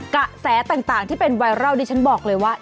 กระแสต่างที่เป็นไวรัลดิฉันบอกเลยว่า